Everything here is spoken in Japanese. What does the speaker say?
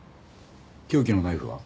凶器のナイフは？